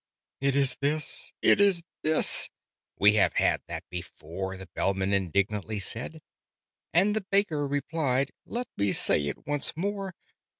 "It is this, it is this " "We have had that before!" The Bellman indignantly said. And the Baker replied "Let me say it once more.